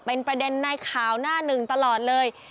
เป็นประเด็นในข่าวหน้าหนึ่งตลอดเลย